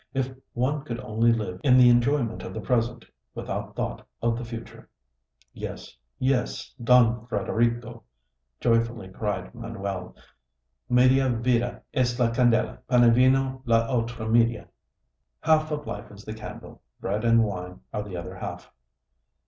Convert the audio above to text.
"If one could only live in the enjoyment of the present, without thought of the future!" "Yes, yes, Don Frederico," joyfully cried Manuel, "'Media vida es la candela; pan y vino, la otra media.'" (Half of life is the candle; bread and wine are the other half.)